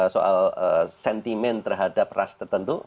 soal sentimen terhadap ras tertentu